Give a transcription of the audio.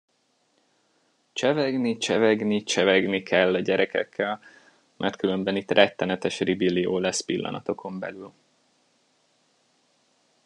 Csevegni, csevegni, csevegni kell a gyerekekkel, mert különben itt rettenetes ribillió lesz pillanatokon belül.